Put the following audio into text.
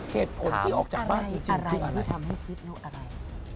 เหตุผลที่ออกจากบ้านจริงคืออะไร